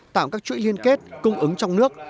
tạo các chuỗi liên kết cung ứng trong nước